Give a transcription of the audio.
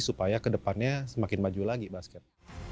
supaya ke depannya semakin maju lagi basket